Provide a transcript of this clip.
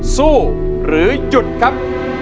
สู้หรือหยุดครับ